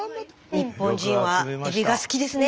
日本人はエビが好きですね。